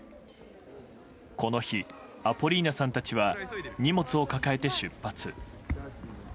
この日、アポリーナさんたちは荷物を抱えて出発。